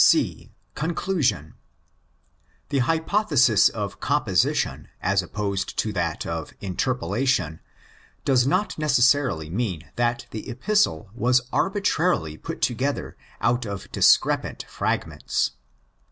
C.—Conclusion. The hypothesis of '' composition," as opposed to that of '' interpolation," does not necessarily mean that the Epistle was arbitrarily put together out of discrepant fragments.